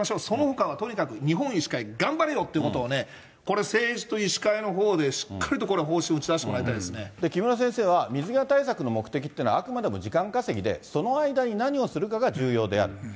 そのほかは、とにかく日本医師会頑張れよということをこれ、政治と医師会のほうでしっかりとこれは方針を打ち出してもらいた木村先生は、水際対策の目的っていうのは、あくまでも時間稼ぎでその間に何をするかが重要である。